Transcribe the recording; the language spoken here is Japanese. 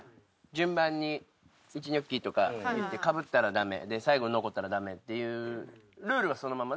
順番に「１ニョッキ」とか言ってかぶったらダメで最後に残ったらダメっていうルールはそのままで。